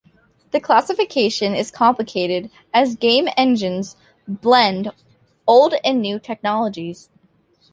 The classification is complicated as game engines blend old and new technologies.